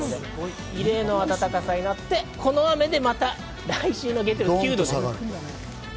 異例の温かさになって、この雨でまた来週月曜日９度です。